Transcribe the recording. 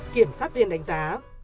kiểm sát viên đánh giá